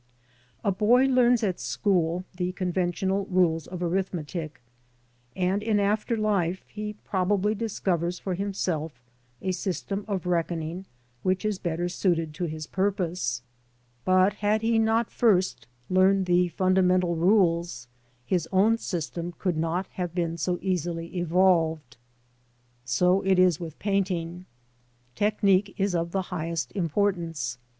A boy learns at school the conventional rules of arithmetic, and in after life he probably discovers for himself a system of reckoning which is better suited to his purpose; but had he viii PREFACE. not first learned the fundamental rules, his own system could not have been so easily evolved. So it is with painting. Technique is of the highest importance.